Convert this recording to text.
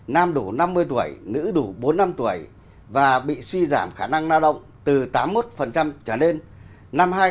năm hai nghìn một mươi tám ông sơn đủ năm mươi bốn tuổi có thời gian tham gia đóng bảo hiểm xã hội bắt buộc là ba mươi sáu năm